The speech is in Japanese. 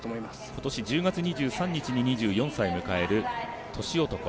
今年１０月２３日に２４歳を迎える年男。